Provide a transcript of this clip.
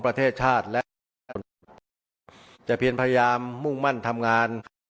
ประเทศชาติและจะเพียงพยายามมุ่งมั่นทำงาน